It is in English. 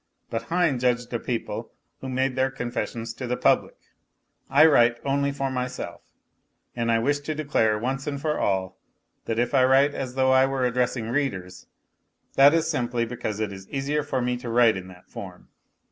But Heine judged of people who made their confessions to the public. I write only for myself, and I wish to declare once and for all that if I write as though I were address ing readers, that is simply because it is easier for me to w r rite in that form.